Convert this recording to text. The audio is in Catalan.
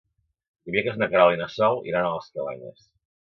Dimecres na Queralt i na Sol iran a les Cabanyes.